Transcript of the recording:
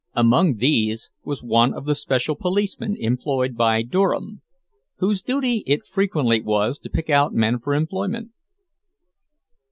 Among these was one of the special policemen employed by Durham, whose duty it frequently was to pick out men for employment.